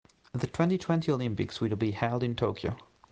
The twenty-twenty Olympics will be held in Tokyo.